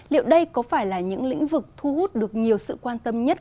liệu đây có phải là những lĩnh vực thu hút được nhiều sự quan tâm nhất